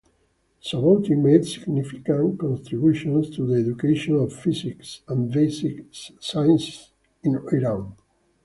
Sobouti made significant contributions to the education of physics and basic sciences in Iran.